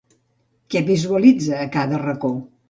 Què visualitza a cada racó?